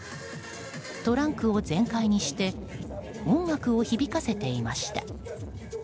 トランクを全開にして音楽を響かせていました。